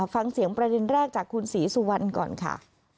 ฟังเสียงประเด็นแรกจากคุณศรีสุวรรณก่อนค่ะ